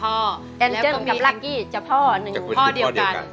แล้วก็มีพ่อเดียวกัน